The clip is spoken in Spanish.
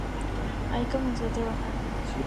Ahí comienzo a trabajar".